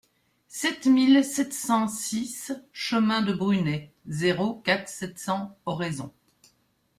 sept mille sept cent six chemin de Brunet, zéro quatre, sept cents, Oraison